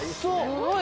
すごい。